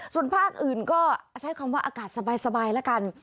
ส่วนภาคอื่นก็ใช้คำว่าอากาศสบายแล้วกัน